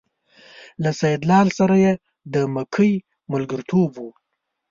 له سیدلال سره یې د ملکۍ ملګرتوب و.